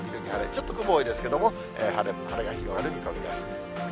ちょっと雲多いですけれども、晴れが広がる見込みです。